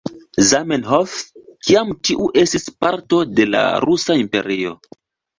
Zamenhof, kiam tiu estis parto de la Rusa Imperio.